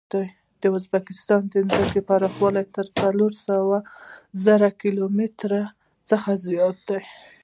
د ازبکستان د ځمکې پراخوالی تر څلور سوه زره کیلو متره څخه زیات دی.